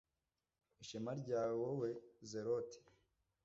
Ishema ryawe wowe zerote